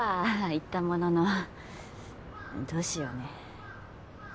言ったもののどうしようね。